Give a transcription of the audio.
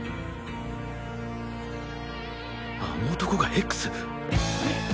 あの男がＸ！？